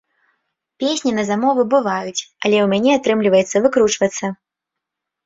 Песні на замову бываюць, але ў мяне атрымліваецца выкручвацца.